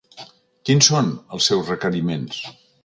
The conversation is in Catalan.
Quins són els seus requeriments?